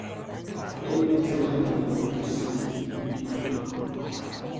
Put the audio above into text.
Actualmente usan el alfabeto cirílico.